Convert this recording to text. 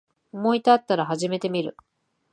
思いたったら始めてみる